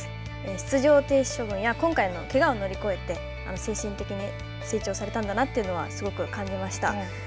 出場停止処分や今回のけがを乗り越えて、精神的に成長されたんだなというのはすごく感じました。